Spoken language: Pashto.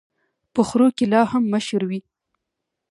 په خرو کي لا هم مشر وي.